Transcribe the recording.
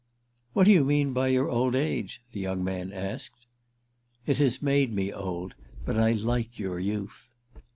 "What do you mean by your old age?" the young man asked. "It has made me old. But I like your youth."